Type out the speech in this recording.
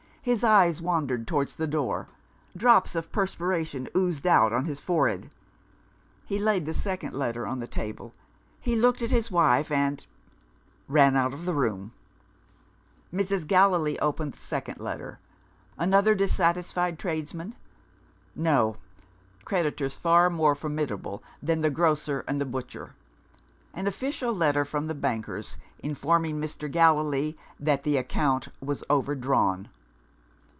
His eyes wandered towards the door; drops of perspiration oozed out on his forehead. He laid the second letter on the table; he looked at his wife, and ran out of the room. Mrs. Gallilee opened the second letter. Another dissatisfied tradesman? No: creditors far more formidable than the grocer and the butcher. An official letter from the bankers, informing Mr. Gallilee that "the account was overdrawn."